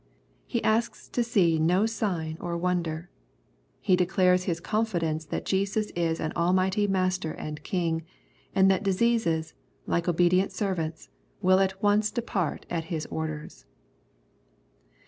He asks to see no sign or wonder. He declares his confidence that Jesus is an almighty Master and King, and that diseases, like obe dient servants, will at once depart at His orders.